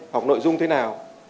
học nội dung thế nào